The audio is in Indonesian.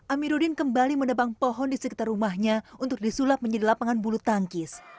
amiruddin kembali menebang pohon di sekitar rumahnya untuk disulap menjadi lapangan bulu tangkis